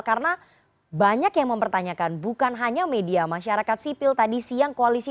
karena banyak yang mempertanyakan bukan hanya media masyarakat sipil tadi siang koalisi